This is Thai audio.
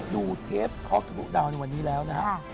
ดูเทปทอคทะกุดาวนวันนี้แล้วนะฮะ